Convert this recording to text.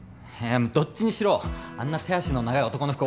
どっちにしろあんな手足の長い男の服